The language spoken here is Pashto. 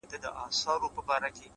پرمختګ د هڅو تسلسل غواړي،